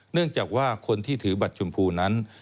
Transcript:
เนื่องจากว่าคนที่ถือบัตรชมพูนั้น